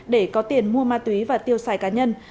để có tiền mua ma túy và tiêu xài cá nhân